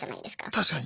確かに。